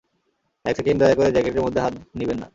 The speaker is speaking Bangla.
এক সেকেন্ড দয়া করে জ্যাকেটের মধ্যে হাত নিবেন না।